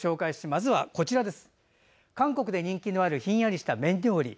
まずは韓国で人気のあるひんやりした麺料理。